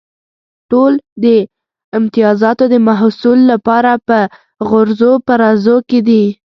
ټول د امتیازاتو د حصول لپاره په غورځو پرځو کې دي.